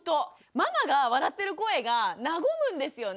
ママが笑ってる声が和むんですよね。